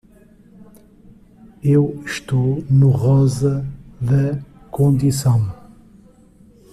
Eu estou no rosa da condição.